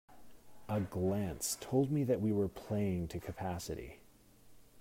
A glance told me that we were playing to capacity.